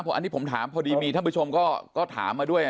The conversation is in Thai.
อันนี้ผมถามพอดีมีท่านผู้ชมก็ถามมาด้วย